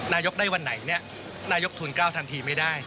นายกได้วันไหนเนี่ยนายกทุนกล้าวทันทีไม่ได้